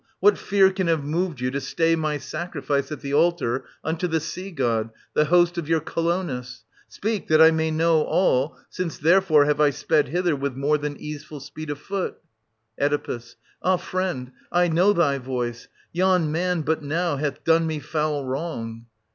What fear can have moved you to stay my sacrifice at the altar unto the sea god, the lord of your Colonus ? Speak, that I may know all, since therefore have I sped 890 hither with more than easeful speed of foot. Oe. Ah, friend, — I know thy voice, — yon man, but now, hath done me foul wrong.